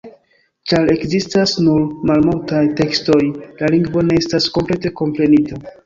Ĉar ekzistas nur malmultaj tekstoj, la lingvo ne estas komplete komprenita.